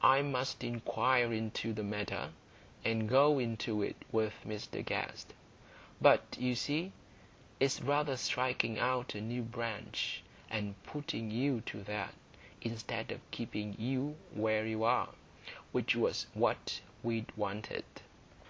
I must inquire into the matter, and go into it with Mr Guest. But, you see, it's rather striking out a new branch, and putting you to that, instead of keeping you where you are, which was what we'd wanted."